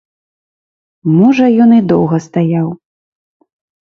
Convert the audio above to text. Можа, ён і доўга стаяў.